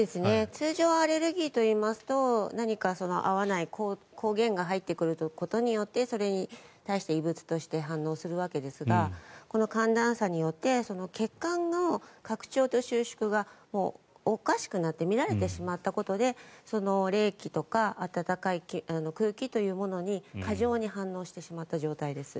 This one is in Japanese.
通常アレルギーといいますと何か合わない抗原が入ってくることによってそれに対して異物として反応するわけですがこの寒暖差によって血管の拡張と収縮がおかしくなって乱れてしまったことで冷気とか暖かい空気というものに過剰に反応してしまった状態です。